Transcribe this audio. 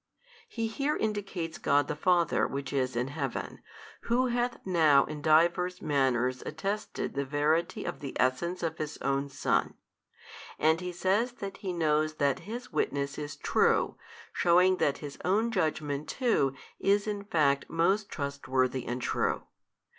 He here indicates God the Father Which is in heaven Who hath now in divers manners attested the Verity of the Essence of His Own Son; and He says that He knows that His witness is True shewing that His Own Judgement too is in fact most trustworthy and true.